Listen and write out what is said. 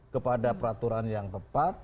kepada peraturan yang tepat